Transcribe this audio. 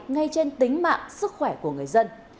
ngay trên tính mạng sức khỏe của người dân